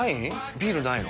ビールないの？